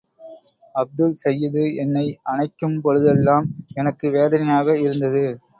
அப்துல் சையிது என்னை அணைக்கும் பொழுதெல்லாம் எனக்கு வேதனையாக இருந்தது.